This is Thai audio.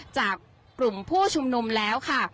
จากกลุ่มผู้ชุมนุมแล้วค่ะ